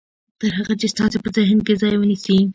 تر هغه چې ستاسې په ذهن کې ځای ونيسي.